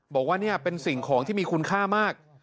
บอกว่านี่เป็นสิ่งของที่มีคุณค่ามาก